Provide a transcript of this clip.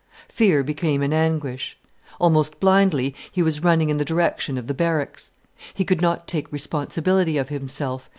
Fear became an anguish. Almost blindly he was turning in the direction of the barracks. He could not take the responsibility of himself.